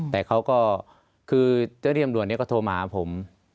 แต่เขาก็คือเจ้าที่ตำรวจก็โทรมาหาผม